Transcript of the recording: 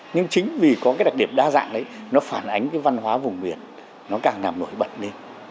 nhưng chính vì có cái đặc điểm đa dạng đấy nó phản ánh cái văn hóa vùng biển nó càng nằm nổi bật lên